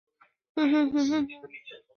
刺果瓜为葫芦科刺果瓜属下的一个种。